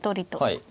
はい。